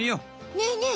ねえねえ